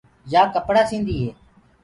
يآ ڪپڙآ سيٚنٚدي هي۔